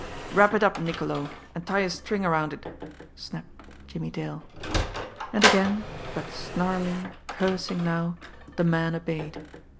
"Wrap it up, Niccolo, and tie a string around it!" snapped Jimmie Dale. And again, but snarling, cursing now, the man obeyed.